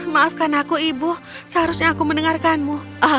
maafkan aku ibu seharusnya aku mendengarkanmu